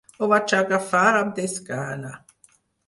Ho va agafar amb desgana.